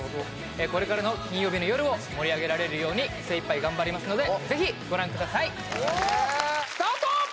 これからの金曜日の夜を盛り上げられるように精いっぱい頑張りますのでぜひご覧くださいスタート！